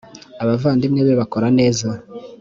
abavandimwe be bakora neza.